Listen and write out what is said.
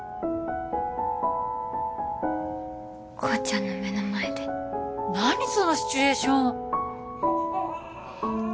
コウちゃんの目の前で何そのシチュエーション！？